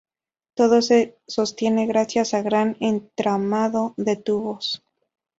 Todo se sostiene gracias a gran entramado de tubos.